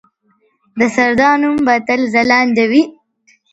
د سردار نوم به تل ځلانده وي.